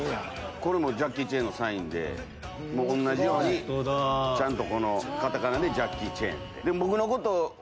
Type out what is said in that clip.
これもジャッキー・チェンのサインで同じようにちゃんと片仮名で「ジャッキー・チェン」。